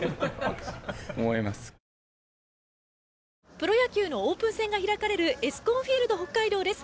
プロ野球のオープン戦が開かれるＥＳＣＯＮＦＩＥＬＤＨＯＫＫＡＩＤＯです。